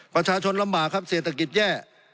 ประชาชนลำบากครับเศรษฐกิจแย่